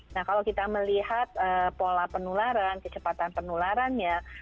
nah kalau kita melihat pola penularan kecepatan penularannya